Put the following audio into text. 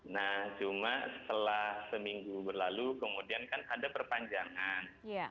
nah cuma setelah seminggu berlalu kemudian kan ada perpanjangan